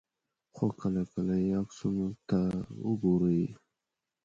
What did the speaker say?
خو کله کله یې عکسونو ته وګورئ.